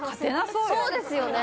そうですよね